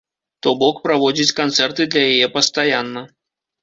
То бок, праводзіць канцэрты для яе пастаянна.